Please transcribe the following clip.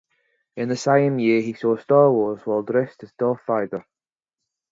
In the same year, he saw Star Wars while dressed as Darth Vader.